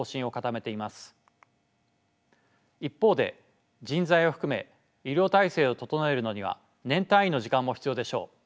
一方で人材を含め医療体制を整えるのには年単位の時間も必要でしょう。